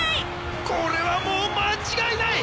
これはもう間違いない！